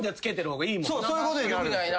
そういうことになるんすよ。